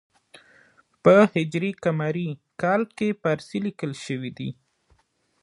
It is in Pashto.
په ه ق کال کې په پارسي لیکل شوی دی.